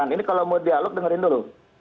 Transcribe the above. ini kalau mau dialog dengerin dulu